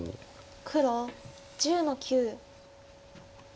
黒１０の九。